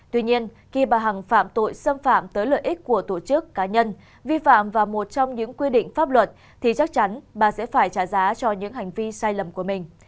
tuy nhiên khi bà hằng phạm tội xâm phạm tới lợi ích của tổ chức cá nhân vi phạm và một trong những quy định pháp luật thì chắc chắn bà sẽ phải trả giá cho những hành vi sai lầm của mình